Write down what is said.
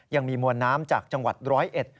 ยังมีมวลน้ำจากจังหวัดร้อยเอ็ด